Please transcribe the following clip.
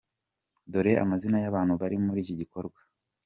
Dore amazina y’abantu bari muri iki gikorwa